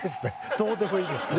どうでもいいですけど。